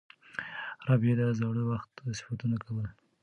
رابعې د زاړه وخت صفتونه کول.